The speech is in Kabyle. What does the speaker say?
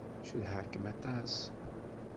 Cedhaɣ-kem aṭas.